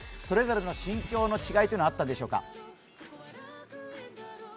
それぞれの心境の違いというのはあったんでしょうか。